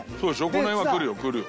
この辺はくるよくるよ。